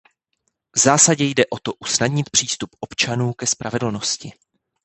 V zásadě jde o to usnadnit přístup občanů ke spravedlnosti.